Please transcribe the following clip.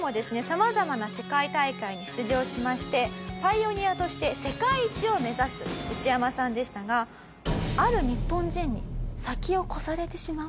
様々な世界大会に出場しましてパイオニアとして世界一を目指すウチヤマさんでしたがある日本人に先を越されてしまうんです。